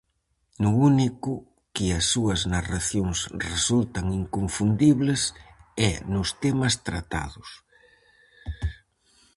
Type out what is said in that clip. No único que as súas narracións resultan inconfundibles é nos temas tratados.